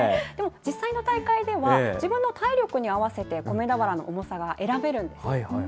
でも、実際の大会では自分の体力に合わせて、米俵の重さが選べるんです。